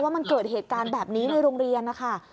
ว่ามันเกิดเหตุการณ์แบบนี้ในโรงเรียนนะคะ